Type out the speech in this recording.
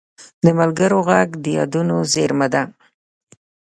د ملګرو غږ د یادونو زېرمه ده